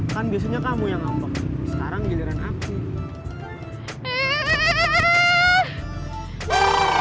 kan biasanya kamu yang ngambek sekarang giliran aku